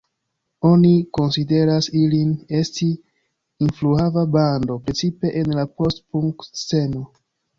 Oni konsideras ilin esti influhava bando precipe en la post-punk-sceno.